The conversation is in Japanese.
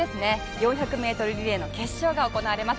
４００ｍリレーの決勝が行われます。